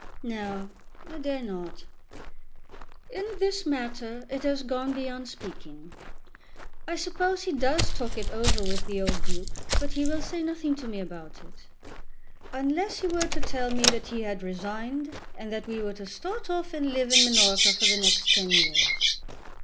"No; I dare not. In this matter it has gone beyond speaking. I suppose he does talk it over with the old Duke; but he will say nothing to me about it, unless he were to tell me that he had resigned, and that we were to start off and live in Minorca for the next ten years.